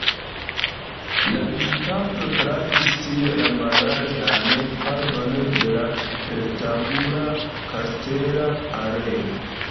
La vizitanto trafis tie la mallarĝan parton de la rektangula kastela areo.